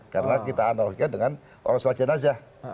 karena kita analogikan dengan orang selera jenazah